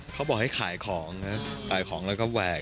เขาบอกให้ขายของนะขายของแล้วก็แหวก